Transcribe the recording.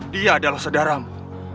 dia adalah sedaramu